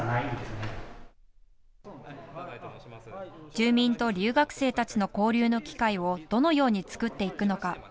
住民と留学生たちの交流の機会をどのように作っていくのか。